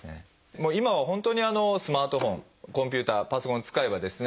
もう今は本当にスマートフォンコンピューターパソコンを使えばですね